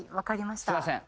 すいません